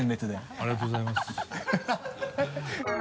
ありがとうございます。